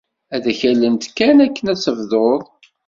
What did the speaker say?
Ad k-allent kan akken ad tebdud.